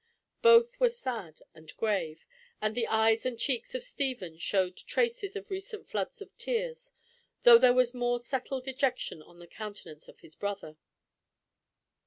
Both were sad and grave, and the eyes and cheeks of Stephen showed traces of recent floods of tears, though there was more settled dejection on the countenance of his brother.